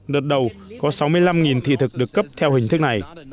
đợt đầu có sáu mươi năm thị thực được cấp theo hình thức này